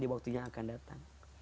di waktunya akan datang